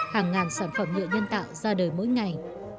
hàng ngàn sản phẩm nhựa nhân tạo ra đời mỗi ngày